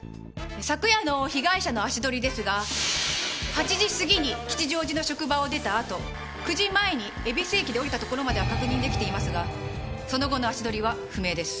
昨夜の被害者の足取りですが８時過ぎに吉祥寺の職場を出たあと９時前に恵比寿駅で降りたところまでは確認できていますがその後の足取りは不明です。